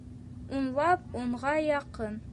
Унлап, унға яҡын